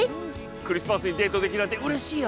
クリスマスにデートできるなんてうれしいよ。